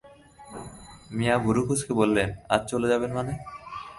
মিয়া ভুরু কুঁচকে বললেন, আজ চলে যাবেন মানে?